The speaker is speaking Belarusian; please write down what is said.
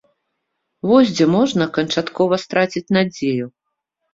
Вось дзе можна канчаткова страціць надзею!